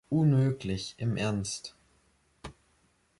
Unmöglich im Ernst.